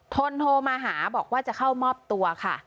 ทนโทรมาหาบอกว่าจะเข้ามอบตัวค่ะ